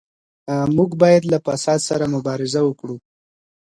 موږ بايد له فساد سره مبارزه وکړو.